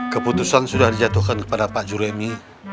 keputusan sudah dijatuhkan kepada pak juremi